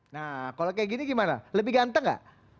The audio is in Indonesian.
nah kalau kayak gini gimana lebih ganteng nggak